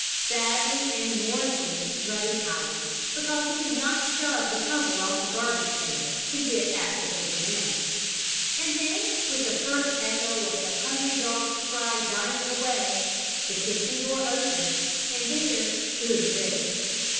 Sadly and mournfully Ruddy howled, because he could not shove the cover off the garbage pail, and get at what was within. And then, with the first echo of the hungry dog's cry dying away, the kitchen door opened and there stood Rick.